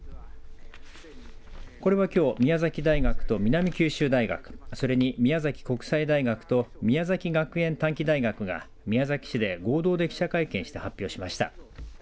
これはきょう宮崎大学と南九州大学それに宮崎国際大学と宮崎学園短期大学が宮崎市で合同で記者会見して発表しました。